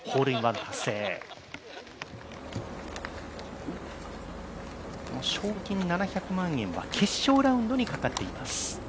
この賞金７００万円は決勝ラウンドにかかっています。